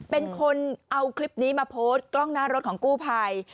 เป็นคนเอาคลิปนี้มาโพสต์กล้องหน้ารถของกู้ภัย